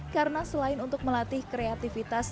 karena selain untuk melatih kreativitas